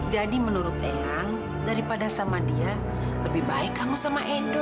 jadi menurut ehang daripada sama dia lebih baik kamu sama edo